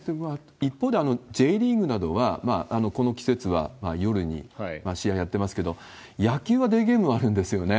一方で、Ｊリーグなどは、この季節は夜に試合やってますけど、野球はデーゲームあるんですよね。